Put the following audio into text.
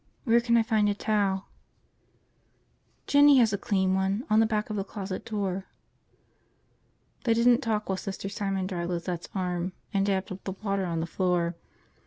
Where can I find a towel?" "Jinny has a clean one. On the back of the closet door." They didn't talk while Sister Simon dried Lizette's arm and dabbed up the water on the floor.